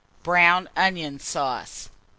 BROWN ONION SAUCE. 485.